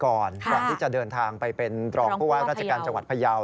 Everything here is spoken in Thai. ก่อนที่จะเดินทางไปเป็นรองผู้ว่าราชการจังหวัดพยาว